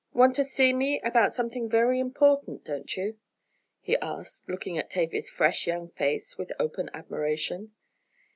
Want to see me about something very important; don't you?" he asked, looking at Tavia's fresh young face with open admiration.